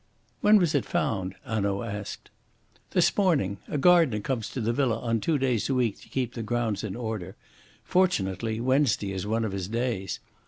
"When was it found?" Hanaud asked. "This morning. A gardener comes to the villa on two days a week to keep the grounds in order. Fortunately Wednesday is one of his days.